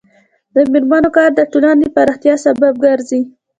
د میرمنو کار د ټولنې پراختیا سبب ګرځي.